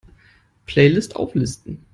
Playlists auflisten!